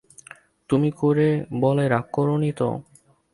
তুমি করে বলায় রাগ করনি তো?